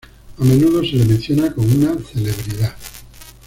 A menudo se le menciona como una celebridad.